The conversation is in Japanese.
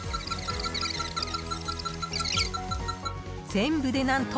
［全部で何と］